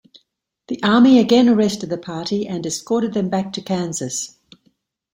The Army again arrested the party and escorted them back to Kansas.